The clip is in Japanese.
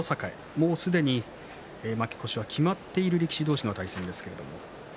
もうすでに負け越しが決まっている力士同士の対戦です。